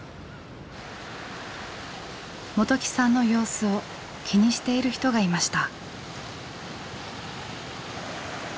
元起さんの様子を気にしている人がいました。